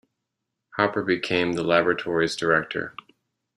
Hopper became the laboratory's Director.